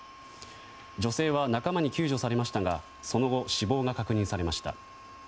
女性は仲間に救助されましたがその後、死亡が確認されました。